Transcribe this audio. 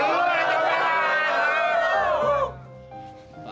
uh jualan cemeran